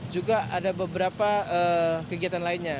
juga ada beberapa kegiatan lainnya